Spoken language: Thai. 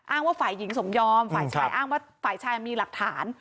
ว่าฝ่ายหญิงสมยอมฝ่ายชายอ้างว่าฝ่ายชายมีหลักฐาน